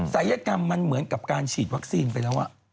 สายกรรมมันเหมือนกับการฉีดวัคซีนไปแล้ว